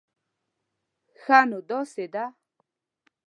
ښه، نو داسې ده